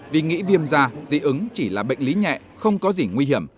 vì nghĩ viêm da dị ứng chỉ là bệnh lý nhẹ không có gì nguy hiểm